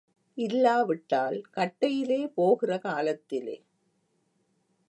இல்லாவிட்டால் கட்டையிலே போகிற காலத்திலே.